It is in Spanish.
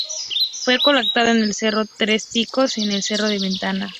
Fue colectado en el cerro Tres Picos y en el cerro de la Ventana.